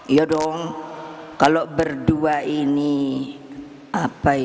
ya dong kalau berdua ini apa ya